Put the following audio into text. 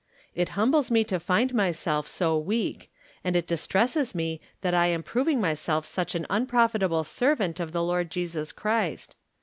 It humbles me to find myself so weak, and it distresses me that I am proving myself such an unprofitable servant of the Lord Jtesus Clxrist.